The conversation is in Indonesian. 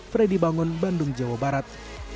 freddy bangun bandung jawa barat